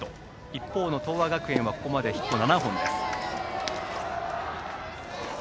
一方の東亜学園はここまでヒット７本です。